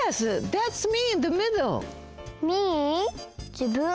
じぶん？